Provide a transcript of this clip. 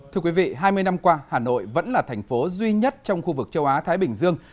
thưa quý vị hai mươi năm qua hà nội vẫn là thành phố duy nhất trong khu vực châu á thái bình dương